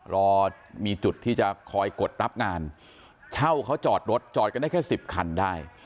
รอมีจุดที่จะคอยกดรับงานเช่าเขาจอดรถจอดกันได้แค่สิบคันได้